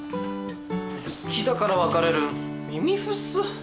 好きだから別れるイミフっす。